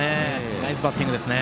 ナイスバッティングでしたね。